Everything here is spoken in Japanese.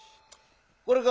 これか？